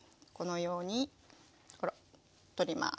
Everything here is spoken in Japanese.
このように取ります。